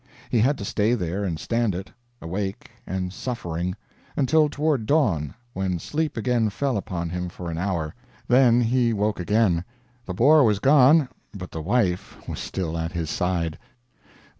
He had to stay there and stand it awake and suffering until toward dawn, when sleep again fell upon him for an hour. Then he woke again. The Boer was gone, but the wife was still at his side.